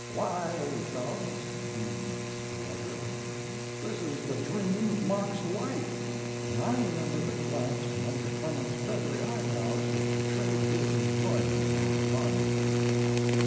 "Why, fellows," he spluttered, "this is the dream of Mark's life," and I remember the glance from under Clemens's feathery eyebrows which betrayed his enjoyment of the fun.